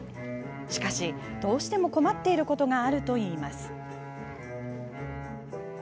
しかし、どうしても困っていることがあるといいます。